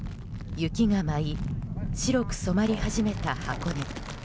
雪が舞い白く染まり始めた箱根。